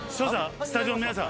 スタジオの皆さん